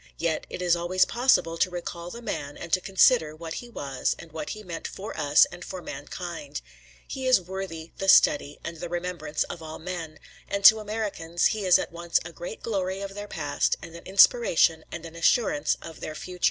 Yet it is always possible to recall the man and to consider what he was and what he meant for us and for mankind He is worthy the study and the remembrance of all men, and to Americans he is at once a great glory of their past and an inspiration and an assurance of their future.